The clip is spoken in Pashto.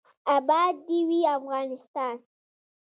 اباد دې وي افغانستان.